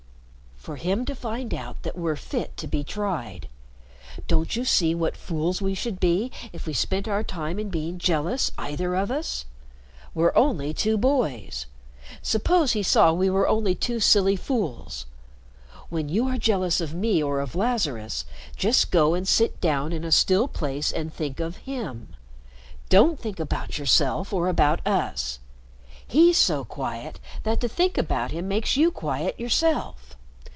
"For him to find out that we're fit to be tried. Don't you see what fools we should be if we spent our time in being jealous, either of us. We're only two boys. Suppose he saw we were only two silly fools. When you are jealous of me or of Lazarus, just go and sit down in a still place and think of him. Don't think about yourself or about us. He's so quiet that to think about him makes you quiet yourself.